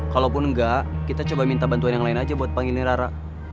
kalaupun enggak kita coba minta bantuan yang lain aja buat panggilan rara